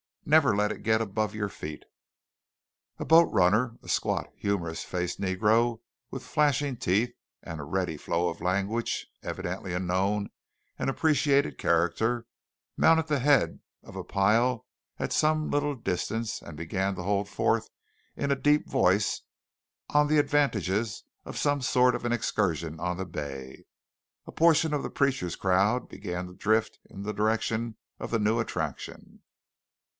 Never let it get above your feet!" A boat runner, a squat, humorous faced negro with flashing teeth and a ready flow of language, evidently a known and appreciated character, mounted the head of a pile at some little distance and began to hold forth in a deep voice on the advantages of some sort of an excursion on the bay. A portion of the preacher's crowd began to drift in the direction of the new attraction.